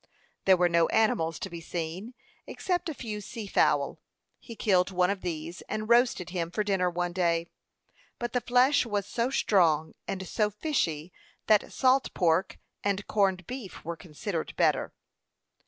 There were no animals to be seen, except a few sea fowl. He killed one of these, and roasted him for dinner one day; but the flesh was so strong and so fishy that salt pork and corned beef were considered better.